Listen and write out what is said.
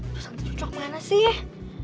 terus nanti cucok mana sih